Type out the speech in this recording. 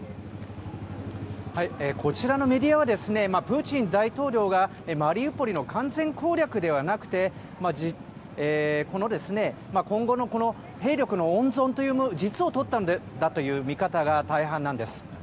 こちらのメディアはプーチン大統領がマリウポリの完全攻略ではなくて今後の兵力の温存という実を取ったのだという見方が大半なんです。